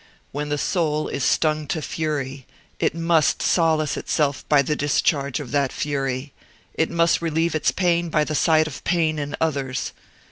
When the soul is stung to fury, it must solace itself by the discharge of that fury it must relieve its pain by the sight of pain in others.